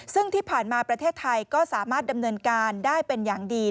ซึ่งที่ผ่านมาประเทศไทยก็สามารถดำเนินการได้เป็นอย่างดี